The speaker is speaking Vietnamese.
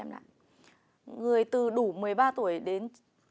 người từ đủ một mươi ba tuổi đến